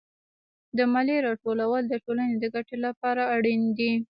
د مالیې راټولول د ټولنې د ګټې لپاره اړین دي.